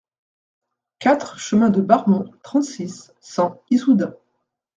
quatre chemin de Barmont, trente-six, cent, Issoudun